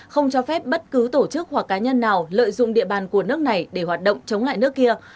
không cho phép bất cứ tổ chức hoặc cá nhân nào lợi dụng địa bàn của nước này để hoạt động chống lại nước kia